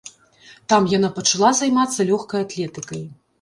Там яна пачала займацца лёгкай атлетыкай.